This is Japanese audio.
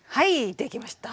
できました。